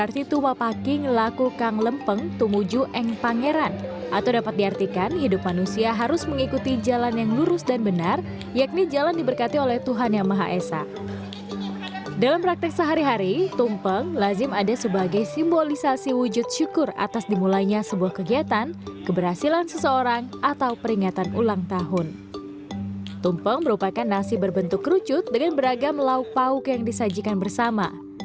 tumpeng merupakan nasi berbentuk kerucut dengan beragam lauk pauk yang disajikan bersama